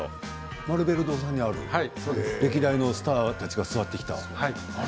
マルベル堂さんにある歴代のスターたちが座ってきた。